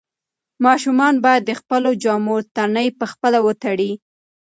ماشومان باید د خپلو جامو تڼۍ پخپله وتړي.